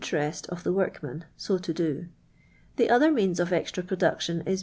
it of the wtiikman so to do, Tlie other means of extra j»roduction is l